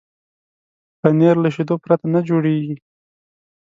پنېر له شیدو پرته نه جوړېږي.